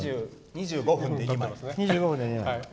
２５分で２枚。